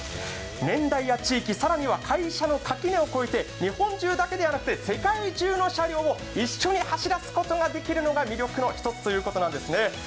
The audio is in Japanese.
年代や地域、更に会社の垣根を超えて日本中だけではなく、世界中の車両も一緒に走らすことができるのが魅力の１つということなんですね。